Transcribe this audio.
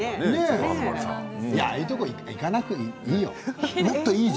いや、ああいうところに行かなくていいよ。